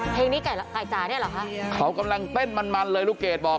เพลงนี้ไก่จ๋าเนี่ยเหรอคะเขากำลังเต้นมันมันเลยลูกเกดบอก